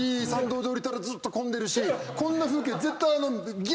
こんな風景絶対。